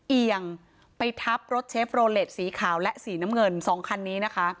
เอียงไปทับรถเชฟโรเล็ตสีขาวและสีน้ำเงินสองคันนี้นะคะ